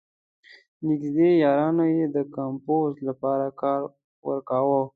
نېږدې یارانو یې د کمپوز لپاره کار ورکاوه.